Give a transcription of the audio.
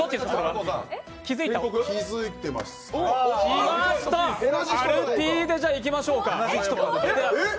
出ました、アルピーでじゃあ、いきましょうか。